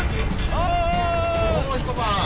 おお彦さん！